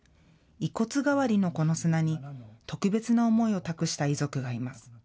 遺骨代わりのこの砂に特別な思いを託した遺族がいます。